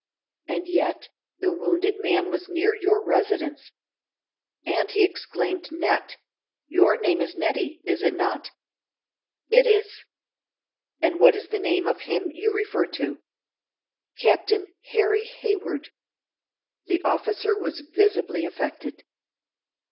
And yet, the wounded man was near your residence. And he exclaimed 'Net—'. Your name is Nettie, is it not?" "It is." "And what is the name of him you refer to?" "Captain HARRY HAYWARD!" The officer was visibly affected.